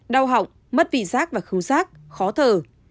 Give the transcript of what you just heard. đau hỏng mất vị giác và khấu giác khó thở